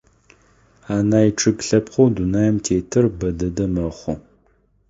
Анай чъыг лъэпкъэу дунаим тетыр бэ дэдэ мэхъу.